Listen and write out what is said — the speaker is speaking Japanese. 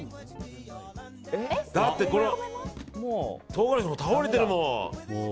だって、唐辛子も倒れてるもん。